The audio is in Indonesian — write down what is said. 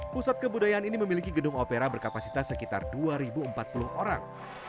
pusat kebudayaan ini memiliki gedung opera berkapasitas sekitar dua empat puluh orang